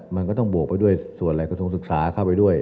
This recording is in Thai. มันก็ต้องบวกไปด้วยส่วนหลายกระทรวงศึกษาเข้าไปด้วย